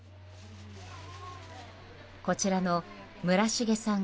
こちらの村重さん